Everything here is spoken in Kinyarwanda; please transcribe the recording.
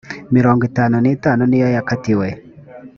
mirongo itatu n itanu niyo yakatiwe